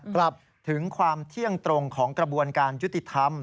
กลับถึงความเที่ยงตรงของกระบวนการยุติธรรม